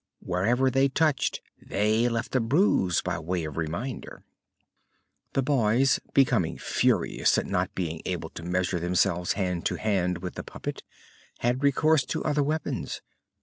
Wherever they touched they left a bruise by way of reminder. The boys, becoming furious at not being able to measure themselves hand to hand with the puppet, had recourse to other weapons.